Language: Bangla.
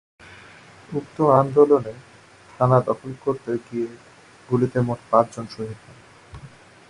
উক্ত আন্দোলনে থানা দখল করতে গিয়ে গুলিতে মোট পাঁচজন শহীদ হন।